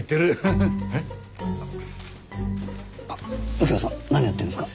右京さん何やってるんですか？